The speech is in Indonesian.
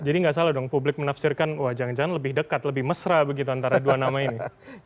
jadi nggak salah dong publik menafsirkan wah jangan jangan lebih dekat lebih mesra begitu antara dua nama ini